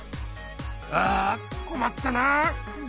あこまったなあ。